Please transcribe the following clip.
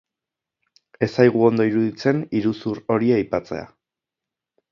Ez zaigu ondo iruditzen iruzur hori aipatzea.